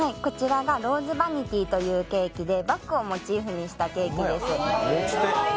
ローズバニティーというケーキはバッグをモチーフにしたケーキです。